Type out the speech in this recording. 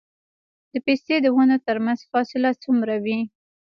د پستې د ونو ترمنځ فاصله څومره وي؟